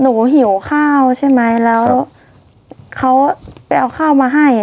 หิวข้าวใช่ไหมแล้วเขาไปเอาข้าวมาให้